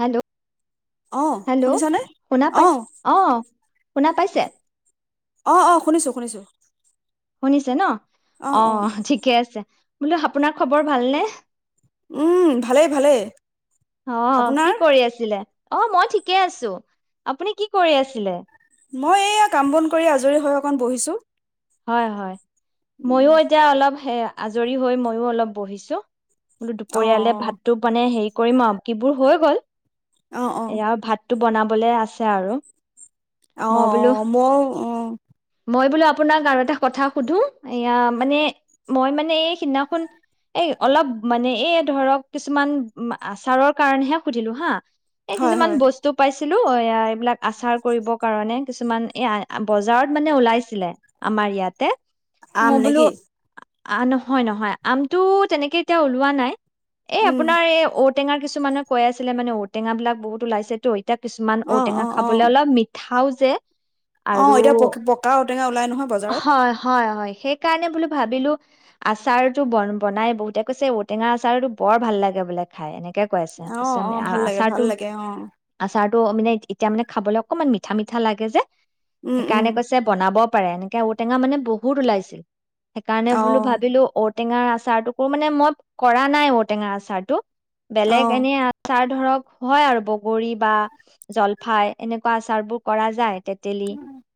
Hello! অঁ hello! শুনিছানে? শুনা পাই অঁ অ', শুনা পাইছে? অ', অ', শুনিছো, শুনিছোঁ। শুনিছে ন? অঁ অঁ অ' ঠিক বোলো আপোনাৰ খবৰ ভালনে উম ভালেই ভালেই অ কি আপোনাৰ কৰি আছিলে অ মই ঠিকে আছো আপুনি কি কৰি আছিলে। মই এইয়া কাম বন কৰি আজৰি হৈ অকণ বহিছো। হয় হয় ময়ো এতিয়া অলপ সেয়া আজৰি হৈ ময়ো অলপ বহিছোঁ। বোলো দুপৰিয়ালে ভাত অঁ টো মানে হেৰি কৰিম আৰু কিবোৰ হৈ গ'ল। অঁ অঁ অঁ এয়া ভাত টো বনাবলে আছে আৰু। মই অ' বোলো অ' মই ও মই বোলো আপ আপোনাক আৰু এটা কথা সোধোঁ, এয়া মানে মই মানে, এই সিদিনাখন এই অলপ মানে এই ধৰক কিছুমান আচাৰৰ কাৰণেহে সুধিলো হা এ হয় কিছুমান হয় বস্তু পাইছ ছিলো এইয়া এইবিলাক আচাৰ কৰিবৰ কাৰণে কিছুমান এই বজাৰত মানে ওলাইছিলে। আমাৰ ইয়াতে আম মই বোলো নেকি আ নহয় নহয় আমটো তেনেকে এতিয়া ওলোৱা নাই। এ উম আপোনাৰ এই ঔটো কিছুমানে কৈ আছিলে, মানে ঔ-টেঙা বিলাক বহুত ওলাইছে টো। এতিয়া কিছুমান ঔ-টেঙা খাবলে অলপ মিঠাও যে আৰু অ' এতিয়া প পকা ঔ-টেঙা ওলাই নহয় বজাৰত হয় হয় হয়। সেইকাৰণে বোলো ভাবিলো আচাৰটো বন বনায়, বহুতে কৈছে ঔ-টেঙা আচাৰটো বৰ ভাল লাগে বোলে খাই এনেকে কৈ আছে, অঁ আম অঁ ভাল লাগে ভাল আচাৰটো লাগে অঁ আচাৰ ত মানে এতিয়া মানে খাবলৈ অকমান মিঠা মিঠা লাগে যে উম উম সেইকাৰণে কৈছে বনাব পাৰে, এনেকে ঔটেঙা মানে বহুত ওলাইছিল। সেইকাৰণে অঁ বোলো ভাবিলো ঔ ঔ-টেঙাৰ আচাৰটোকো, মানে মই কৰা নাই ঔ-টেঙাৰ আচাৰটো বেলেগ অঁ এনেই আচাৰ ধৰক হয় আৰু বগৰী বা জলফাই এনেকুৱা আচাৰ বোৰ কৰা যায়। তেঁতেলী,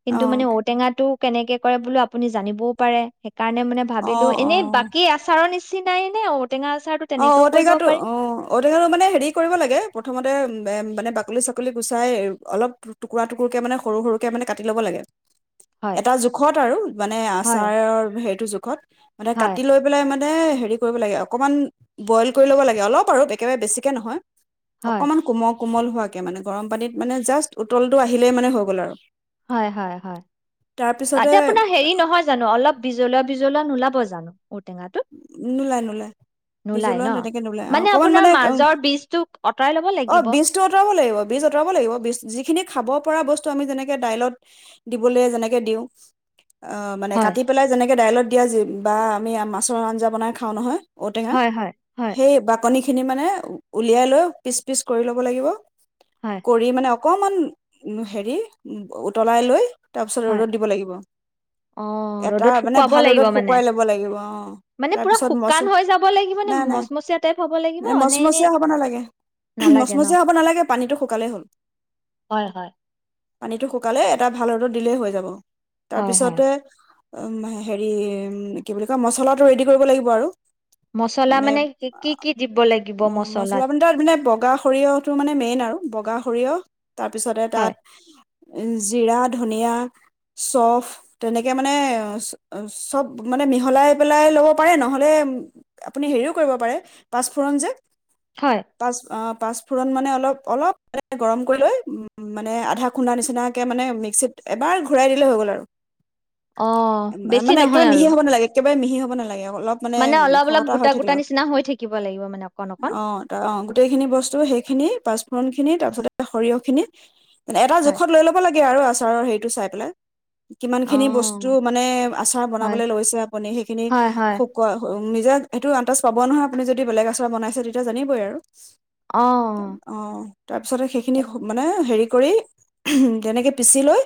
কিন্তু অঁ মানে ঔ টেঙাত টো, কেনেকে কৰে, বোলো আপুনি জানিবয়ো পাৰে [unintelligible] কাৰণে মানে ভাবিলোঁ, অঁ এনেই অঁ বাকী আচাৰৰ নিচি [unintelligible] অ', ঔ টেঙাটো, অ', ঔ টেঙাটো মানে হেৰি কৰিব লাগে প্ৰথমতে এ, মানে বাকলি, চাকলি গুচাই অলপ টুকুৰা, টুকুৰকে মানে সৰু, সৰুকে মানে কাটি ল'ব লাগে। হয় এটা জোখত আৰু মানে হয় আচাৰৰ সেইটো জোখ [unintelligible] মানে হয় কাটি লৈ পেলাই মান এ, হেৰি কৰিব লাগে অকমান বইল কৰি ল'ব লাগে অলপ আৰু একেবাৰে বেছিকে নহয়। হয় অকমান কোমক কোমল হোৱাকে মানে গৰম পানীত মানে জাষ্ট উতলটো আহিলেই মানে হৈ গ'ল আৰু। হয়, হয়, হয়, তাৰ পিছতে তাতে আপোনাৰ হেৰি নহয় জানোঁ? অলপ বিজলুয়া, বিজলুয়া নোলাব জানোঁ? নোলায় নোলায় নোলাই বিজলুয়া ন? তেনেকে নোলায় অ অকমান আপোনাৰ মানে মাজৰ বীজটোক আঁতৰাই ল'ব অ লাগিব। বীজটো আঁতৰাব লাগিব বীজ আঁতৰাব লাগিব যিখিনি খাব পৰা বস্তু আমি যেনেকে দাইলত দিবলৈ যেনেকে দিওঁ। অ মানে হয়, কাটি পেলাই যেনেক ডাইলত দিয়া যি বা আমি আমাক অ' আঞ্জা বনাই খাওঁ নহয়। ঔটেঙা হয়, হয়, হয়, সেই বাকলি খিনি মানে উলিয়াই লৈ পিচ পিচ কৰি ল'ব লাগিব হয়, কৰি মানে অকমান হেৰি উতলাই লৈ তাৰপিছত হয়। ৰ'দত দিব লাগিব অ', এটা ৰ'দত মানে শুকুৱাব ভাল লাগিব ৰ'দত মানে। শুকুৱাই ল'ব লাগিব অ। মানে পুৰা তাৰপিছত মচ শুকান হৈ যাব লাগিব নে নাই নাই মচমচীয়া টাইপ হ'ব ন লাগিব নে এনেই মচমচীয়া হ'ব নালাগে নালাগে ন? মচমচীয়া হ'ব নালাগে পানীটো শুকালেই হ'ল। হয়, হয়। পানীটো শুকালে এটা ভাল ৰদত দিলেই হৈ যাব। হয়, হয়। তাৰপিছতে উ হেৰি কি বুলি কয় মছলাত তো ৰেডি কৰিব লাগিব আৰু মচলা মানে কি কি দিব লাগিব উ মছলা মচলাত? ভিতৰত মানে বগা সৰিয়হটো মানে মেইন আৰু বগা। সৰিয়হ। তাৰপিছতে হয়, তাত জিৰা, ধনিয়া, চফ তেনেকে মানে চব মানে মিহলাই পেলাই লব পাৰে নহলে আপুনি হেৰিও কৰিব পাৰে পাঁচফোৰণ যে। হয়। [inaudible] পাঁচফোৰণ মানে অলপ অলপ মানে গৰম কৰি লৈ মানে আধা খুন্দা নিচিনাকৈ মানে মিক্সিত এবাৰ ঘূৰাই দিলেই হৈ গ'ল আৰু, অ', বেছি মানে একেবাৰে নহয় মিহি আৰু হ'ব নালাগে একেবাৰে মিহি হ'ব নালাগে, অ অলপ, মানে, অলপ অলপ খহতা হৈ গোটা গোটা থাকিলে। নিচিনা হৈ থাকিব লাগিব মানে অকণ অকণ। অ', অ', গোটেইখিনি বস্তু। সেইখিনি পাঁচ ফোৰণ খি খিনি। তাৰ পিছতে সৰিয়হখিনি এটা হয়। জোখত লৈ ল'ব লাগে। আৰু আচাৰৰ হে টো চাই পেলায় কিমানখিনি বস্তু, অ'। মানে, আচাৰ হয়, বনাবলৈ লৈছে বনি। সেইখিনি হয়, হয়। শুকোৱা নিজে সেইটো আন্দাজ পাব নহয়। আপুনি যদি বেলেগ আচাৰ বনাইছে, তেতিয়া জানিবই আৰু অ'। অ'। তাৰপিছতে সেইখিনি, মানে, হেৰি কৰি তেনেকে পিচি লৈ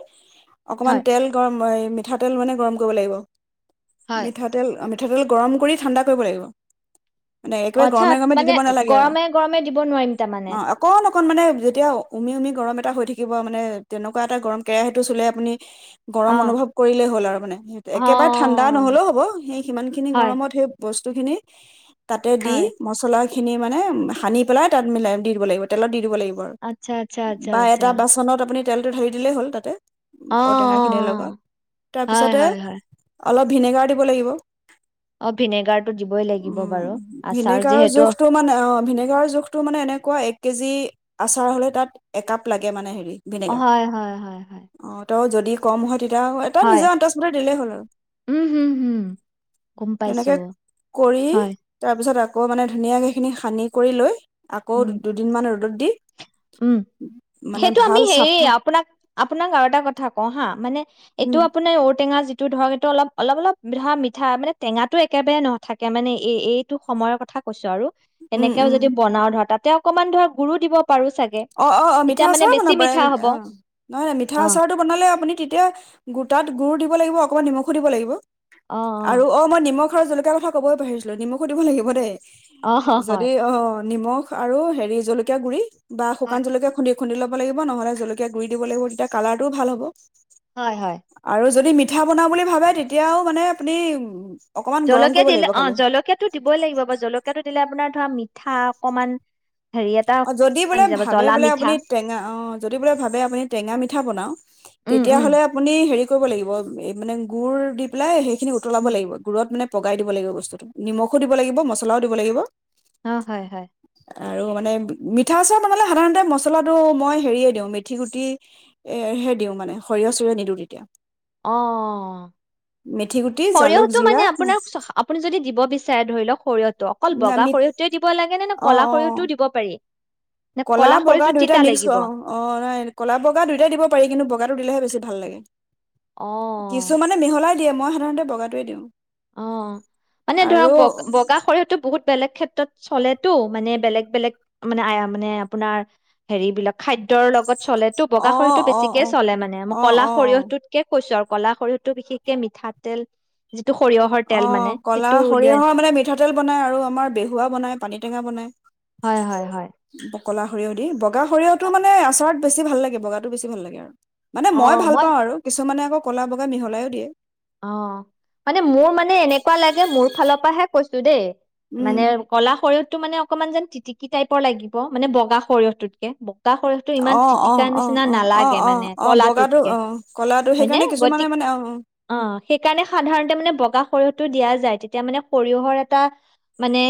অকণমান হয়, তেল গৰম। হেৰি মিঠাতেল, মানে, গৰম কৰিব লাগিব। হয়। মিঠাতেল আমি মিঠাতেল গৰম কৰি ঠাণ্ডা কৰিব লাগিব। মানে অ, একেবাৰে আচ্ছা। গৰমে গৰমে দি মানে, দিব নালাগে আৰু গৰমে, গৰমে দিব নোৱাৰিম, তাৰ মানে? অ অকণ অকণ, মানে, যেতিয়া উমি, উমি গৰম এটা হৈ থাকিব, মানে, তেনেকুৱা এটা গৰম। কেৰাহীটো চুলে আপুনি অ গৰম অনুভৱ কৰিলেই হ'ল আৰু মানে সিহঁতে অ অ একেবাৰে ঠাণ্ডা অ নহলেও অ' সেই সিমান খিনি হয় গৰমত সেই, বস্তু খিনি, তাতে দি হয় মছলা, সেইখিনি মানে সানি পেলায় তাত মিলাই দি দিব লাগিব। দিব লাগিব আৰু আচ্ছা আচ্ছা আচ্ছা বা আচ্ছা এটা বাচনত আপুনি, তেলটো ধালি দিলেই হল তাতে, অ অ ঔটেঙা খিনিৰ লগত অ হয় তাৰপিছতে, হয় হয় অলপ ভিনেগাৰ, লাগিব। অ ভিনেগাৰটো দিবই লাগিব উম বাৰু আচাৰ ভিনেগাৰৰ যিহেতু জোখটো মানে অ ভিনেগাৰৰ জোখটো মানে এনেকুৱা এক কেজি, আচাৰ হলে তাত একাপ লাগে মানে হেৰি, হয়- হয়- হয়- হয়! দি কম হয়, তেতিয়া এটা হয় নিজৰ আন্তজবতে দিলেই হ'ল আৰু উম হুম হুম গম পাইছো তেনেকে কৰি হয় তাৰপিছত আ আকৌ মানে ধুনীয়াকে সেইখিনি সানি কৰি লৈ আকৌ উম দুদ-দুদিনমান ৰ'দত দি উম, মানে সেইটো আমি ভাল হেৰি, চাফা আপোনাক, আপোনাক আৰু এটা কথা কওঁ হা, মানে এইটো উম, আপোনাৰ ঔটেঙা যি এইটো ধৰক, এইটো অলপ, অলপ অলপ ধৰা মিঠা মানে টেঙাটো একেবাৰে ন নাথাকে, মানে এই এইটো সময়ৰ কথা কৈছো আৰু। উম, এনেকেও উম, যদি বনাও ধৰা তাত তেওঁ অকণমান ধৰা গুড়ো দিব পাৰো চাগে অ' অ' অ', মিঠা তেতিয়া মানে আচাৰো বেছি বনাব পাৰে, মিঠা হ'ব অ নহয় নহয় মিঠা অ আচাৰটো বনালে আপুনি তেতিয়া গোটাত গুৰো দিব লাগিব, অকণমান নিমখো দিব লাগিব। অ আৰু, অ মই নিমখ জলকীয়া কথা ক'বই পাহৰিছিলো, নিমখো দিব লাগিব দেই। অ অ যদি হয় অ' অ' নিমখ আৰু হেৰি জলকীয়া গুৰি বা শুকান হয় জলকীয়া খুন্দি খুন্দি ল'ব লাগিব, নহ'লে জলকীয়া গুৰি দিব লাগিব, তেতিয়া কালাৰটোও ভাল হ'ব। হয় হয়। আৰু যদি মিত ঠা বনাওঁ বুলি ভাৱে, তেতিয়াও মানে আপুনি অকমান গৰম জলকীয়া কৰিব দিলে, লাগিব খালি অ' জলকীয়াটো দিবই লাগিব বাৰু, জলকীয়াটো দিলে আপোনাৰ ধৰা মিঠা অকমান হেৰি এটা অ' যদি বোলে আহি যাব ভাবে জ্বলা বোলে মিঠা আপুনি টেঙা, অ' যদি বোলে ভাবে আপুনি টেঙা মিঠা বনাও, উম উম তেতিয়াহ'লে আপুনি হেৰি লাগিব, এই মানে গুুৰ দি পেলাই হেৰি খিনি উতলাব লাগিব, গুড়ত মানে পগাই দিব লাগিব বস্তুটো, নিমখো দিব লাগিব, মছলাও দিব লাগিব অ' হয় হয়। আৰু মানে মিঠা আচাৰ বনালে সাধাৰণতে মচলাটো, মই হেৰিয়ে দিওঁ, মেথি গুটি, এৰ হে দিওঁ মানে, সৰিয়হ চৰিয়হ নিদিওঁ তেতিয়া। অ', মেথি গুটি জালুক সৰিয়হটো জিৰা মানে আপোনাৰ, আপুনি যদি দিব বিচাৰে ধৰি লওক সৰিয়হটো, অকল বগা নামিত সৰিয়হটোৱে দিব লাগে নে নে অ ক'লা অ সৰিয়হটোও দিব পাৰি? নে ক'লা বগা সৰিয়হটো দুইটা তিতা মিক্স, লাগিব অ' অ' অ' নাই, ক'লা বগা দুইটা দিব পাৰি, কিন্তু বগা টো দিলেহে বেছি ভাল লাগে। অ কিছুমানে মিহলাই দিয়ে, মই সাধাৰণতে বগাটোৱে দিওঁ। অ', মানে ধৰক আৰু বগ-বগা সৰিয়হতো বহুত বেলেগ ক্ষেত্ৰত চলেতো, মানে বেলেগ বেলেগ মানে আ আ মানে, আপোনাৰ, হেৰি বিলাক খাদ্যৰ লগত চলেটো, বগা অ সৰিয়হটো অ অ বেছিকেই চলে মানে, মই অ ক'লা অ অ সৰিয়হটোতকে কৈছো আৰু। কলা সৰিয়হটো বিশেষকে মিঠাতেল সৰিয়হৰ তেল মানে অ' কলা সেইটো উলিয়াই সৰিয়হৰ মানে মিঠাতেল বনাই আৰু আমাৰ বেহুৱা বনাই পানী টেঙা বনায়। হয় হয় হয়। কলা সৰিয়হ দি ব বগা সৰিয়হটো মানে আচাৰত বেছি ভাল লাগে, বগাটো বেছি ভাল লাগে আৰু। মানে মই ভাল পাওঁ আৰু কিছুমানে আকৌ ক'লা-বগা মিহলাইয়ো দিয়ে। অ' মানে মোৰ মানে এনেকুৱা লাগে মোৰ ফালৰ পৰাহে কৈছো দেই। মানে উম কলা সৰীয়হটো মানে অকমান যেন তিতিকি টাইপৰ লাগিব মানে বগা সৰিয়হটোতকে সৰিয়হটো ইমান অ' তিটিকাৰ অ' অ' নিচিনা অ' অ' নালাগে অ' মানে অ'বগাটো ক'লাটোতকে অঁ কলাটো হয়নে সেইকাৰণে কিছুমানে গতিক মানে অঁ অঁ। অ' সেইকাৰণে সাধাৰণতে মানে বগা সৰিয়হতটো দিয়া যায় তেতিয়া মানে সৰিয়হৰ এটা মানে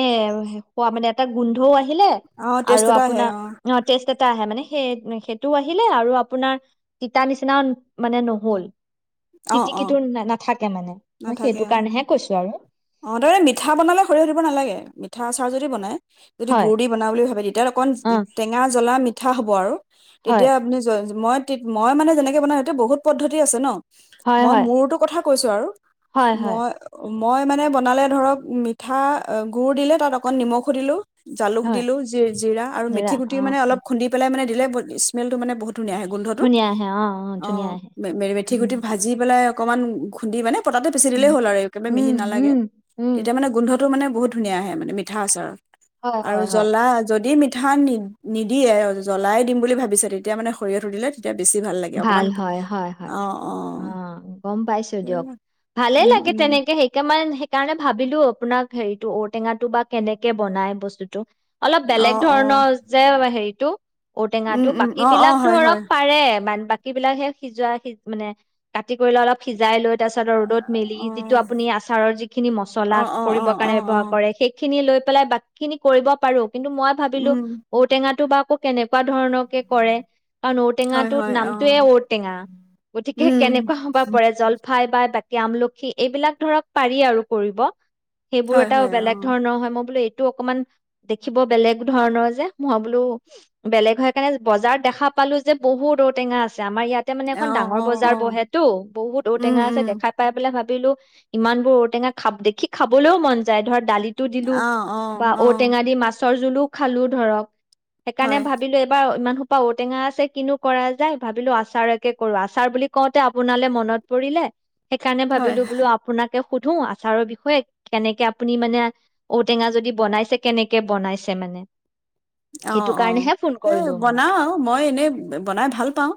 হোৱা মানে এটা গোন্ধও আহে হিলে অ টেষ্ট আৰু এটা আহে আপোনাৰ অ' টেষ্ট এটা আহে মানে। সেই সেইটো আহিলে আৰু আপোনাৰ তিতা নিচিনাও মানে ন'হল। অ অ তিতিকিটো না নাথাকে। মানে মই নাথাকে সেইটো অ কাৰণেহে কৈছো আৰু। অ' তাৰমানে মিঠা বনালে সৰিয়হ দিব নালাগে মিঠা আচাৰ যদি বনায় যদি হয় গুৰ দি বনাওঁ বুলি ভাবি তে এতিয়া অকণ অ টেঙা জ্বলা মি পিঠা হ'ব আৰু। হয় তেতিয়া আপুনি মই মই মানে যেনেকে বনাওঁ সেইটো বহুত পদ্ধতি আছে ন। হয় মই হয় মোৰতো কথা কৈছো আৰু হয় হয় মই অ' মই মানে বনালে ধৰক মিঠা গুড় দিলে তাত অকন নিমখো দিলো। জালুক হয় দিলো জিৰা আৰু দাদা মেথি গুটি অ মানে অলপ খুন্দি পেলাই মানে দিলে বহ স্মেলটো মানে বহুত ধুনীয়া আহে গোন্ধটো, ধুনীয়া আহে অ ধুনীয়া অ', আহে মেৰি মেথি উম গুটি ভাজি পেলাই অকমান খুন্দি মানে পটাতে পিচি দিলেই উম হ'ল আৰু একে মিহি উম নালাগে। উম উম তেতিয়া মানে গোন্ধত টো মানে বহুত ধুনীয়া আহে মানে, মিঠা আচাৰৰ হয় আৰু হয় হয় জ্বলা যদি মিঠ ঠা নি নিদিয়ে, জ্বলাই দিম বুলি ভাৱিছে, তেতিয়া মানে সৰিয়হটো দিলে তেতিয়া বেছি লাগে ভাল, অকমান হয়, হয়, হয়। অ', গম পাইছোঁ দিয়ক। ভালে উম লাগে উম তেনেকে সেইকে মান সেইকাৰণে ভাৱিলো আপোনাক হেৰিটো, ঔ-টেঙাটো বা কেনেকে বনাই বস্তুটো অলপ অ বেলেগ অ ধৰণৰ যে হেৰিটো, উম ঔ-টেঙাটো, উম ‌বাকী অ অ বিলাক হয় হয় ধৰক পাৰে মান বাকী বিলাক সে সিজোৱা সি মানে কাটি কৰি লৈ, অলপ সিজাই লৈ, তাৰছত ৰ'দত অ', মেলি যিটো আপুনি আচাৰৰ যিখিনি মছলা অ', অ', কৰিবৰ অ', কাৰণে অ', ব্যৱহাৰ অ', কৰে, সেইখ খিনি লৈ পেলাই বাকী খিনি কৰিব পাৰোঁ। কিন্তু মই ভাৱিলো, উম, ঔ-টেঙাটো বা কৌ কেনেকুৱা ধৰণকে কৰে? হয়, ঔ-টেঙাটোত হয়, নামটোৱেই অ', ঔ-টৈঙা, গতিকে উম, কেনেকুৱা হ'ব পাৰে জল ফাই বা বাকী আমলখি, এইবিলাক ধৰক পাৰি আৰু কৰিব সেইবোৰ হয়, এটাও হয়, বেলেগ অ', ধৰণৰ হয়, মই বোলো অকনমান দেখিব বেলেগ ধৰণৰ যে মই বোলো বেলেগ হয় কাৰণে বজাৰত দেখা পালো যে বহুত টেঙা আছে। আমাৰ ইয়াতে মানে এখন অ', ডাঙৰ অ', বজাৰ অ', বহেতটো বহুত ঔ উম, টেঙা আছে উম, দেখাই পাই ভাব ভাবিলো ইমান বোৰ ঔটেঙা খ দেখি খাবলৈও মন যায় ধৰা দালিত টো দিলো অ', অ', বা অ', ঔটেঙা দি মাছ চৰজোলো খালো ধৰক সেইকাৰণে হয়, ভাবিলো এইবাৰ ইমান োপা [unintelligible] ঔটেঙা আছে কিনো কৰা যাই ভাবিলো আচাৰকে কৰো। আচাৰ বুলি কওঁতে আপোনালৈ মনত পৰিলে সেইকাৰণে হয়, ভাবিলো বোলো আপোনাক বোলো সুধো আচাৰৰ বিষয়ে কেনেকে আপুনি মানে ঔটেঙা যদি বনাইছে কেনেকে বনাইছে মানে? সেইটো অ' অ' কাৰণেহে ফোন এ কৰিলো মই। বনাও মই এনেই বনাই ভাল। পাওঁ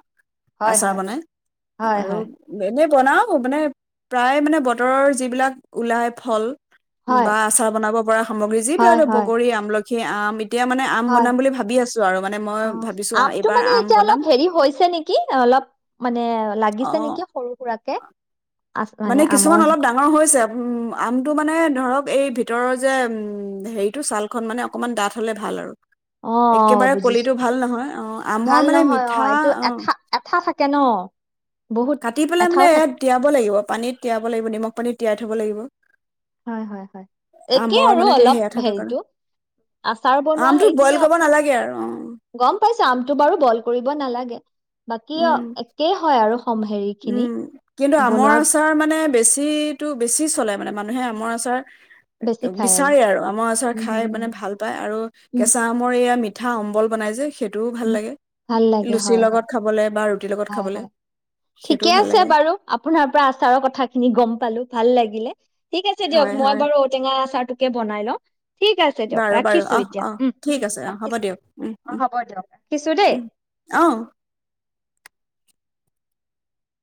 হয় আচাৰ হয় বনাই হয় আৰু হয়। এনে বনাও মানে প্ৰায় মানে বতৰৰ যিবিলাক ওলাই ফল হয় বা আচাৰ বনাব পৰা সামগ্ৰী যিবিলাক হয় হয় বগৰী, আমলখি। সেই আম এতিয়া মানে আম হয় বনাম বুলি ভাবি আছো আৰু মানে মই অ' ভাবিছো আমটো এইবাৰ মানে আম এতিয়া বনাম অলপ হেৰি হৈছে নেকি। অলপ মানে লাগিছে অ', নেকি সৰু-সুৰাকে। মানে, কিছুমান অলপ ডাঙৰ হৈছে, উমম, আমটো মানে ধৰক। এই ভিতৰৰ যে, উম, হেৰিটো, ছালখন মানে অকমান ডাঠ হ'লে ভাল আৰু। অ একেবাৰে বুজিছো কলিটো ভাল নহয়, অ', ভাল আমৰ মানে নহয় অ মিঠা এইটো অ'। এঠা [unintelligible] কাটি পেলাই এঠাও মানে থাকে তিয়াব লাগিব। পানীত তিয়াব লাগিব, নিমখ পানীত। তিয়াই থ'ব লাগিব। হয়, হয়, হয়। একে আমৰ আৰু মানে তে অলপ সেয়া থোৱাৰ কাৰণে, হেৰিতটো আচাৰ বনোৱা আমটো বইল সেইখিনি কৰিব নালাগে আৰু অ', গম পাইছোঁ। আমটো বাৰু বইল কৰিব নালাগে। [unintelligible] বাকী উম, অ', একেই হয় আৰু সম হেৰি। খিনি উম, কিন্তু আমৰ বনোৱা আচাৰ মানে। মানে বেছিটো, বেছি চলে মানে মানুহে আমাৰ আচাৰ। বেছি খাই বিচাৰে আৰু আমাৰ আচৰ খাই মানে উম ভাল পায়, আৰু উম কেঁচা আমৰ এইয়া [unintelligible] পিঠা অম্বল বনাই যে সেই। ভাল উম, লাগে ভাল লাগে লুচিৰ হয় হয় লগত খাবলৈ বা [unintelligible] ৰুতিৰ লগত হয় খাবলৈ। হয় ঠিকে আছে বাৰু, আপোনাৰ পৰা আচাৰৰ কথা খিনি গম পালো, ভাল লাগিলে। ঠিক আছে দিয়ক, হয় মই হয় বাৰু ঔ টেঙা আচাৰটো কে বনাই ল'। ঠিক আছে, দিয়ক। বাৰু বাৰু ৰাখিছোঁ অহ এতিয়া অহ উম, ঠিক উম, আছে অ হ'ব ৰাখিছোঁ। দিয়ক উম অ', উম হ'ব দিয়ক। ৰাখিছো দেই উম, অ'